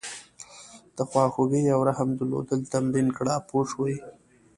د خواخوږۍ او رحم درلودل تمرین کړه پوه شوې!.